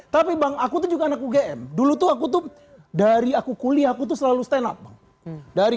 tapi bang aku tuh juga anak ugm dulu tuh aku tuh dari aku kuliah aku tuh selalu stand up bang dari